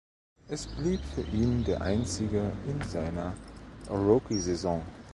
Es blieb für ihn der einzige in seiner Rookiesaison.